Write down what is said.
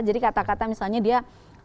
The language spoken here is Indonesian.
jadi kata kata misalnya dia